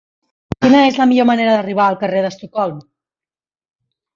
Quina és la millor manera d'arribar al carrer d'Estocolm?